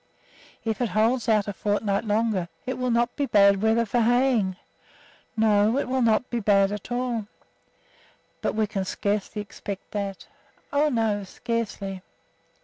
"If it holds out a fortnight longer, it will not be bad weather for haying." "No, it will not be at all bad." "But we can scarcely expect that." "Oh, no! scarcely."